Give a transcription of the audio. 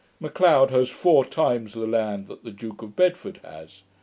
M'Leod has four times the land that the Duke of Bedford has.